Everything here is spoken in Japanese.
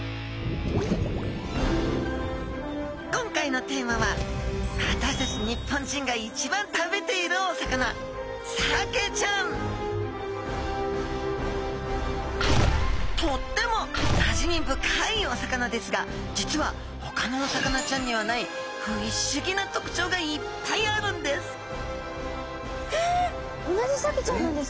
今回のテーマは私たち日本人が一番食べているお魚サケちゃんとってもなじみ深いお魚ですが実はほかのお魚ちゃんにはない不思議な特徴がいっぱいあるんですえ？